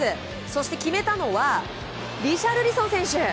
そして決めたのはリシャルリソン選手。